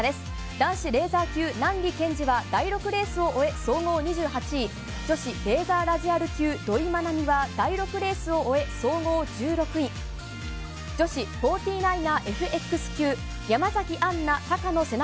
男子レーザー級、南里研二は、第６レースを終え、総合２８位、女子レーザーラジアル級、土居愛実は第６レースを終え、総合１６位、女子フォーティーナイナーＦＸ級は、山崎アンナ・高野芹奈